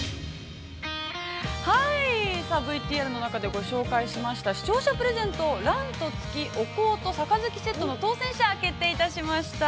◆ＶＴＲの中で、ご紹介しました、視聴者プレゼント、「蘭と月お香と盃セット」の当選者が決定いたしました！